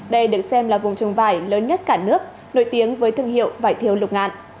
đây được xem là vùng trồng vải lớn nhất cả nước nổi tiếng với thương hiệu vải thiều lục ngạn